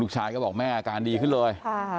ชายก็บอกแม่อาการดีขึ้นเลย